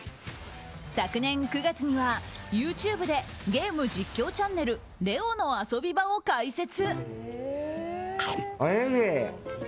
昨年９月にはＹｏｕＴｕｂｅでゲーム実況チャンネル「ＬＥＯの遊び場」を開設。